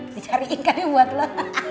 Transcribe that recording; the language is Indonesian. dicariin kali buat lo